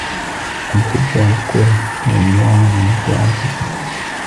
الحب و الكره شعوران متعاكسان